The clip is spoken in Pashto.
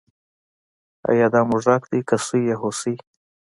ایا دا موږک دی که سوی یا هوسۍ